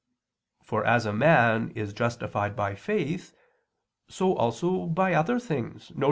For as a man is justified by faith, so also by other things, viz.